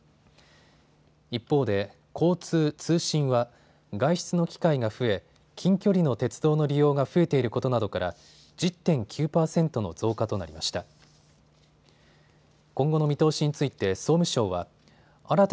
一方で交通・通信は外出の機会が増え近距離の鉄道の利用が増えていることなどから１０．９％の増加となりました。